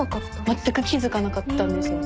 全く気付かなかったんですよ